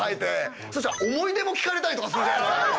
そしたら思い出も聞かれたりとかするじゃないですか。